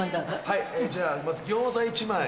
はいじゃあまず餃子１枚。